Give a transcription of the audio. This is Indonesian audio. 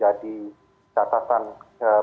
jadi ini harus menjadi catatan